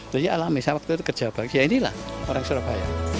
alami saya waktu itu kerja bahagia inilah orang surabaya